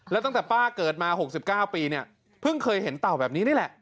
แล้วตั้งแต่ป้าเกิดมา๖๙ปีเนี่ยเพิ่งเคยเห็นเต่าแบบนี้นี่แหละ